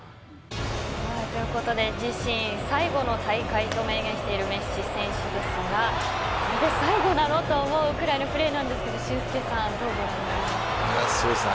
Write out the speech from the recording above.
ということで自身最後の大会と明言しているメッシ選手ですがこれで最後なのと思うくらいのプレーなんですが俊輔さん